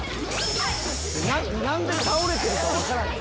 何で倒れてるか分からん。